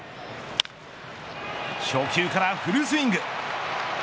初球からフルスイング。